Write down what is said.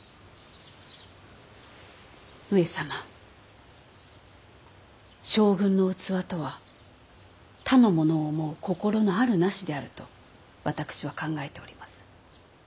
上様将軍の器とは他のものを思う心の有る無しであると私は考えております。